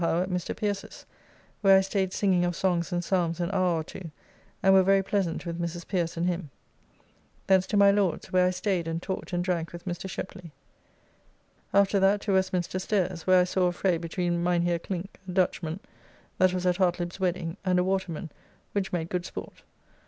Howe at Mr. Pierces, where I staid singing of songs and psalms an hour or two, and were very pleasant with Mrs. Pierce and him. Thence to my Lord's, where I staid and talked and drank with Mr. Sheply. After that to Westminster stairs, where I saw a fray between Mynheer Clinke, a Dutchman, that was at Hartlibb's wedding, and a waterman, which made good sport.